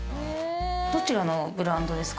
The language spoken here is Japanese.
どちらのブランドですか？